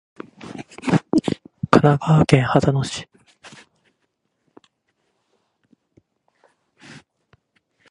神奈川県秦野市